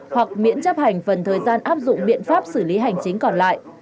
hoặc miễn chấp hành phần thời gian áp dụng biện pháp xử lý hành chính còn lại